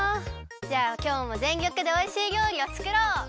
じゃあきょうもぜんりょくでおいしいりょうりをつくろう！